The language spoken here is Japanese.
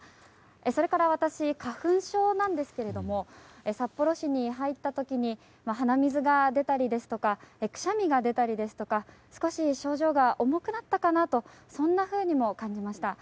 それから私、花粉症なんですが札幌市に入った時に鼻水が出たりですとかくしゃみが出たりですとか少し、症状が重くなったかなとそんなふうにも感じました。